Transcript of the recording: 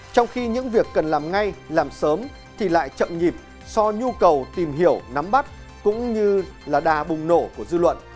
trong khi những việc cần làm ngay làm sớm thì lại chậm nhịp do nhu cầu tìm hiểu nắm bắt cũng như là đà bùng nổ của dư luận